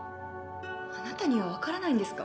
あなたには分からないんですか。